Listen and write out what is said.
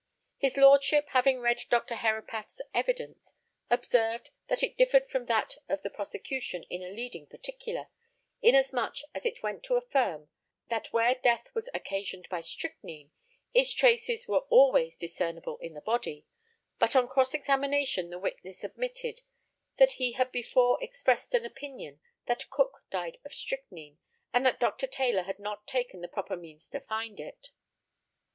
His lordship having read Dr. Herapath's evidence, observed that it differed from that of the prosecution in a leading particular, inasmuch as it went to affirm that where death was occasioned by strychnine, its traces were always discernible in the body, but on cross examination the witness admitted that he had before expressed an opinion that Cook died of strychnine, and that Dr. Taylor had not taken the proper means to find it.